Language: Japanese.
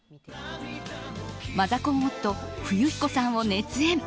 マザコン夫・冬彦さんを熱演。